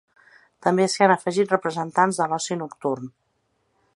També s’hi han afegit representants de l’oci nocturn.